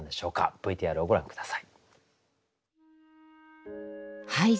ＶＴＲをご覧下さい。